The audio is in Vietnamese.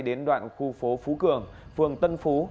đến đoạn khu phố phú cường phường tân phú